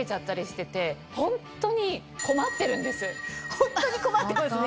ホントに困ってますね。